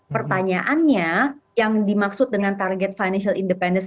pertanyaannya yang dimaksud dengan target financial independence